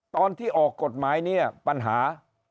ตอนที่ออกกฎหมายเนี่ยปัญหา